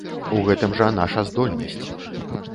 У гэтым жа наша здольнасць.